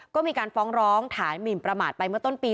ก็มีการฟ้องร้องฐานหมินประมาทไปเมื่อต้นปี